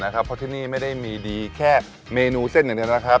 เพราะที่นี่ไม่ได้มีดีแค่เมนูเส้นอย่างเดียวนะครับ